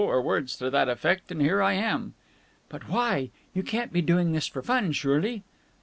or words to that effect, and here I am." "But why? You can't be doing this for fun, surely?"